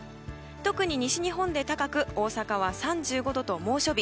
特に西日本で高く大阪は３５度と猛暑日。